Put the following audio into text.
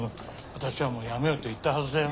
私はもうやめると言ったはずだよ。